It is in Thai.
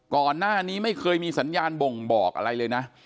ก่อนหน้านี้ไม่เคยมีสัญญาณบ่งบอกอะไรเลยนะ